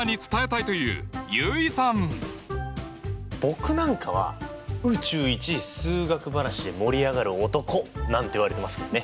僕なんかは宇宙一数学話で盛り上がる男なんて言われてますけどね。